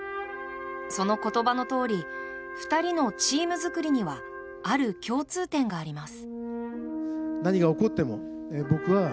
その言葉のとおり２人のチーム作りにはある共通点があります。